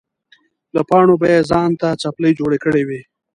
له پاڼو به یې ځان ته څپلۍ جوړې کړې وې.